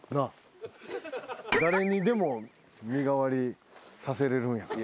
誰にでも身代わりさせれるんやから。